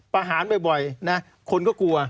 ประหารบ่อยนะคนก็กลัว